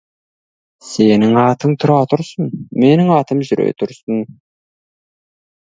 Сенің атың тұра тұрсын, менің атым жүре тұрсын.